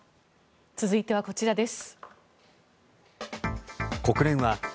続いてはこちらです。